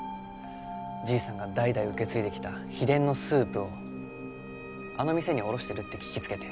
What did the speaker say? じいさんが代々受け継いできた秘伝のスープをあの店に卸してるって聞きつけて。